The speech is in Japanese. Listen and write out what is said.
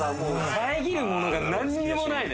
遮るものが何にもないね。